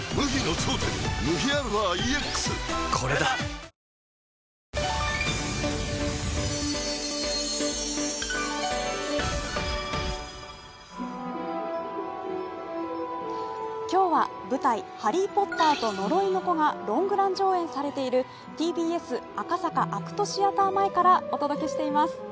最高の渇きにＤＲＹ「アサヒスーパードライ」今日は舞台「ハリー・ポッターと呪いの子」がロングラン上演されているＴＢＳ赤坂ＡＣＴシアター前からお届けしています。